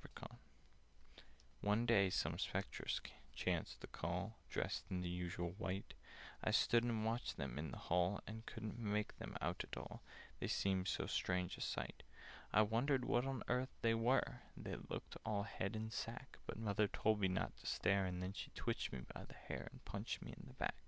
[Picture: I stood and watched them in the hall] "One day, some Spectres chanced to call, Dressed in the usual white: I stood and watched them in the hall, And couldn't make them out at all, They seemed so strange a sight. "I wondered what on earth they were, That looked all head and sack; But Mother told me not to stare, And then she twitched me by the hair, And punched me in the back.